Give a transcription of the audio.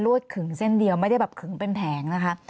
วดขึงเส้นเดียวไม่ได้แบบขึงเป็นแผงนะคะ